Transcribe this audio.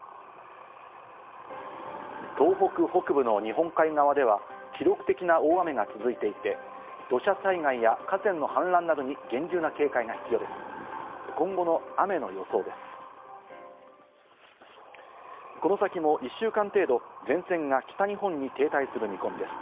東北北部の日本海側では記録的な大雨が続いていて、土砂災害や河川の氾濫などに厳重な警戒が必要です。